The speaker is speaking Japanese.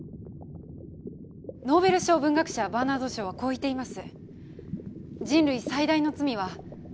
ノーベル賞文学者バーナード・ショーはこう言っています。